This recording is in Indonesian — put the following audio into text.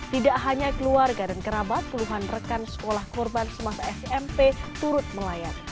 tidak hanya keluarga dan kerabat puluhan rekan sekolah korban semasa smp turut melayat